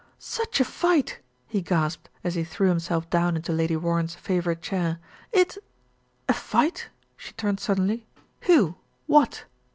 "Such a fight!" he gasped, as he threw himself down into Lady Warren's favourite chair. "It " "A fight!" She turned suddenly. "Who? What?"